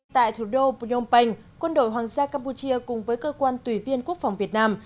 tại thủ đô phnom penh quân đội hoàng gia campuchia cùng với cơ quan tùy viên quốc phòng việt nam